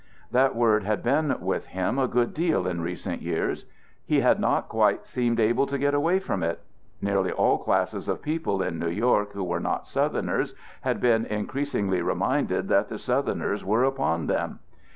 That word had been with him a good deal in recent years; he had not quite seemed able to get away from it. Nearly all classes of people in New York who were not Southerners had been increasingly reminded that the Southerners were upon them.